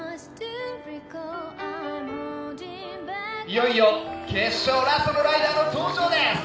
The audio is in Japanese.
いよいよ決勝ラストのライダーの登場です。